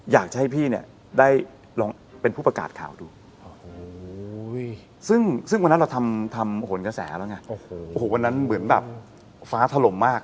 อยากจะให้พี่เนี่ยได้ลองเป็นผู้ประกาศข่าวดูโอ้โหซึ่งวันนั้นเราทำโหนกระแสแล้วไงโอ้โหวันนั้นเหมือนแบบฟ้าถล่มมาก